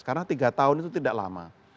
karena tiga tahun itu tidak lama